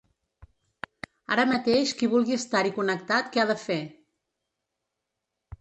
Ara mateix qui vulgui estar-hi connectat què ha de fer?